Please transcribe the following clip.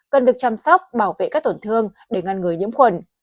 cần được chăm sóc bảo vệ các tổn thương để ngăn người nhiễm khuẩn